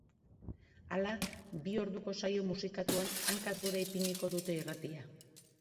Hala, bi orduko saio musikatuan, hankaz gora ipiniko dute irratia.